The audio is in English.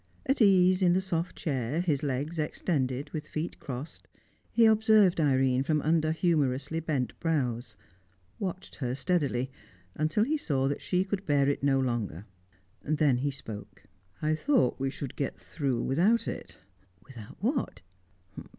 At ease in the soft chair, his legs extended, with feet crossed, he observed Irene from under humorously bent brows; watched her steadily, until he saw that she could bear it no longer. Then he spoke. "I thought we should get through without it." "Without what?"